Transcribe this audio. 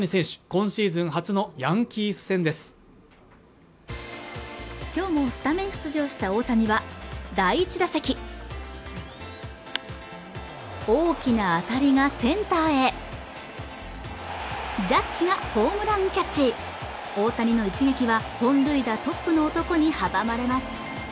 今シーズン初のヤンキース戦です今日もスタメン出場した大谷は第１打席大きな当たりがセンターへジャッジかホームランキャッチ大谷の一撃は本塁打トップの男に阻まれます